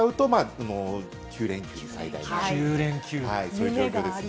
そういう状況ですね。